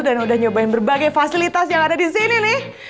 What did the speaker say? dan udah nyobain berbagai fasilitas yang ada di sini nih